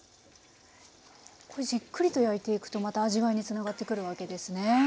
じっくりと焼いていくとまた味わいにつながってくるわけですね。